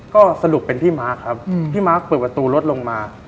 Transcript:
ก็สรุปเป็นพี่มาร์คครับพี่มาร์คเปิดประตูรถลงมา